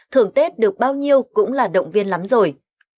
thưởng tết được bao nhiêu cũng là động viên lắm rồi